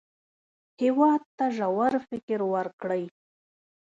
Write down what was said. هېواد ته ژور فکر ورکړئ